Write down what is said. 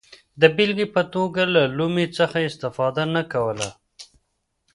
د بېلګې په توګه له لومې څخه استفاده نه کوله.